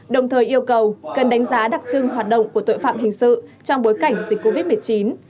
đồng thời yêu cầu cần đánh giá đặc trưng hoạt động của tội phạm hình sự trong bối cảnh dịch covid một mươi chín